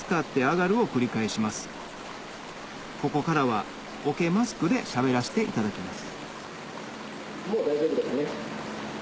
ここからは桶マスクで喋らせていただきます